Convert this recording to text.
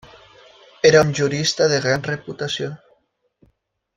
Era un jurista de gran reputació.